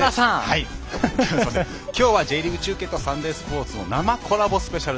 きょうはＪリーグ中継と「サンデースポーツ」の生コラボスペシャル。